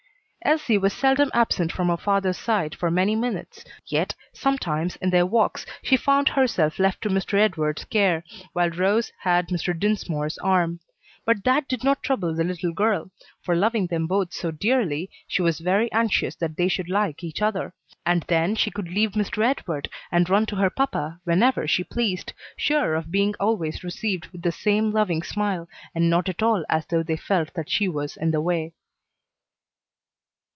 Elsie was seldom absent from her father's side for many minutes, yet sometimes in their walks she found herself left to Mr. Edward's care, while Rose had Mr. Dinsmore's arm. But that did not trouble the little girl; for loving them both so dearly, she was very anxious that they should like each other; and then she could leave Mr. Edward and run to her papa whenever she pleased, sure of being always received with the same loving smile, and not at all as though they felt that she was in the way.